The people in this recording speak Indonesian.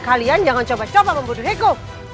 kalian jangan coba coba membunuh diriku